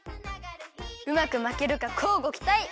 うまくまけるかこうごきたい！